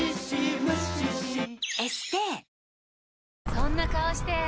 そんな顔して！